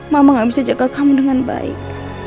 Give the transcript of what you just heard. mama gak bisa jaga kamu dengan baik